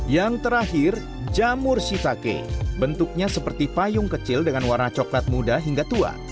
yang terakhir jamur shitake bentuknya seperti payung kecil dengan warna coklat muda hingga tua